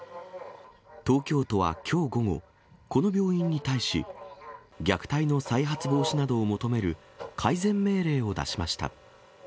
東京都はきょう午後、この病院に対し、虐待の再発防止などを求める改善命令を出しました。